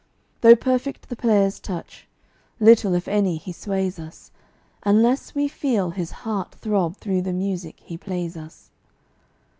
Though perfect the player's touch, little, if any, he sways us, Unless we feel his heart throb through the music he plays us.